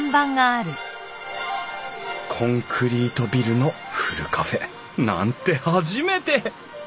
コンクリートビルのふるカフェなんて初めて！